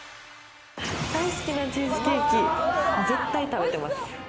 大好きなチーズケーキ、絶対食べてます。